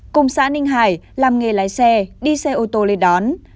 cùng xã ninh hải làm nghề lái xe đi xe ô tô lấy đón